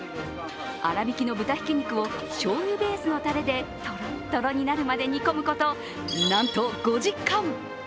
粗びきの豚ひき肉をしょうゆベースのたれでとろっとろになるまで煮込むこと、なんと５時間。